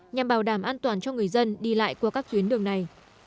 nhằm bảo đảm an toàn cho người dân đi lại qua các tuyến đường này